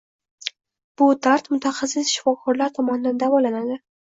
Bu dard mutaxassis-shifokorlar tomonidan davolanadi.